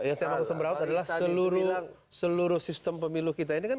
yang saya maksud semeraut adalah seluruh sistem pemilu kita ini kan